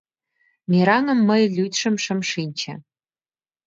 Мераҥым мый лӱдшым шым шинче